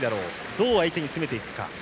どう相手に詰めていくか。